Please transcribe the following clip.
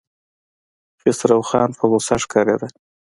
خسروخان په غوسه ښکارېده.